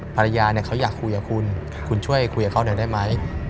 ภรรยาเขาอยากคุยกับคุณคุณช่วยคุยกับเขาหน่อยได้ไหม